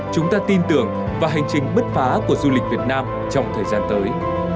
chúng ta tin tưởng vào hành trình bứt phá của du lịch việt nam trong thời gian tới